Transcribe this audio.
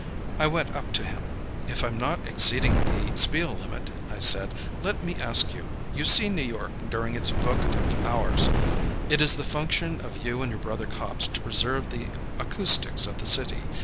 I went up to him. "If I'm not exceeding the spiel limit," I said, "let me ask you. You see New York during its vocative hours. It is the function of you and your brother cops to preserve the acoustics of the city.